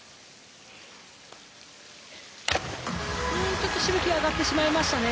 ちょっとしぶきが上がってしまいましたね。